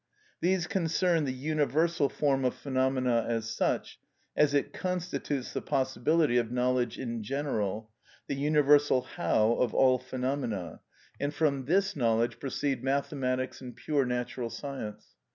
These concern the universal form of phenomena as such, as it constitutes the possibility of knowledge in general, the universal how of all phenomena, and from this knowledge proceed mathematics and pure natural science.